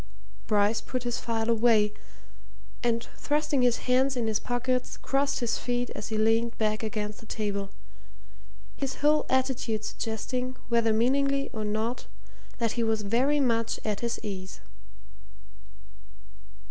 Bryce put his file away, and thrusting his hands in his pockets, crossed his feet as he leaned back against the table his whole attitude suggesting, whether meaningly or not, that he was very much at his ease.